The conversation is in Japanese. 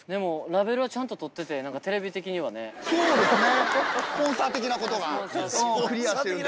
そうですね。